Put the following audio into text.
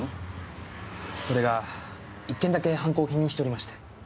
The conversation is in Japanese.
それが１件だけ犯行を否認しておりまして。